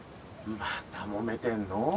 またもめてんの？